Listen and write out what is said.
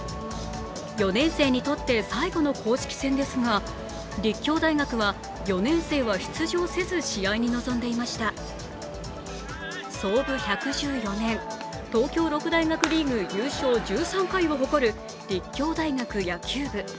４年生にとって最後の公式戦ですが立教大学は４年生は出場せず創部１１４年、東京六大学リーグ優勝１３回を誇る立教大学野球部。